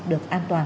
được an toàn